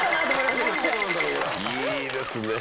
いいですね。